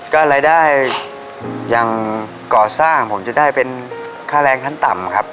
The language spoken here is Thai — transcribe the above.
ก็รายได้อย่างก่อสร้างผมจะได้เป็นค่าแรงขั้นต่ำครับ